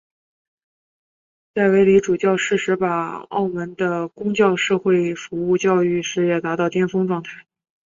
戴维理主教适时把澳门的公教社会服务教育事业达到巅峰状态。